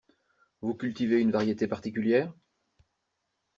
Vous cultivez une variété particulière?